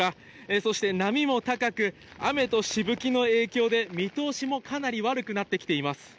そして波も高く、雨と飛沫の影響で見通しもかなり悪くなってきています。